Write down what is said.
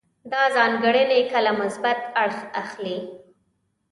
دا ځانګړنې کله مثبت اړخ اخلي.